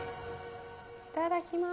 いただきます。